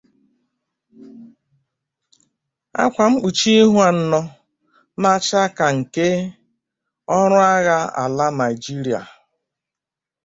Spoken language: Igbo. ákwà mkpuchi ihu anọ na-acha ka nke ọrụ agha ala Nigeria